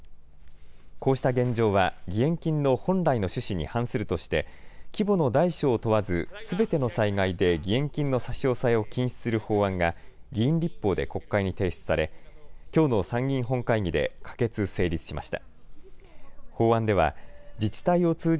こうした現状は義援金の本来の趣旨に反するとして規模の大小を問わず、すべての災害で義援金の差し押さえを禁止する法案が議員立法で国会に提出されきょうの参議院本会議で可決・成立しました。